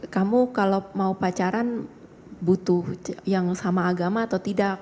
kamu kalau mau pacaran butuh yang sama agama atau tidak